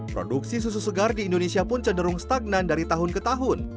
produksi susu segar di indonesia pun cenderung stagnan dari tahun ke tahun